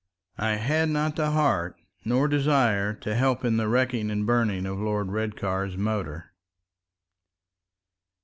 I had not the heart nor desire to help in the wrecking and burning of Lord Redcar's motor.